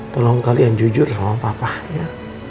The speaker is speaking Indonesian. tolong kalian jujur sama papa ya